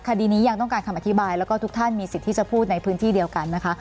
คดีนี้ยังต้องการคำอธิบายแล้วก็ทุกท่านมีสิทธิ์ที่จะพูดในพื้นที่เดียวกันนะคะ